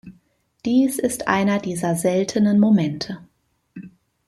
Dies ist einer dieser seltenen Momente.